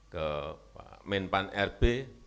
ke minpan rb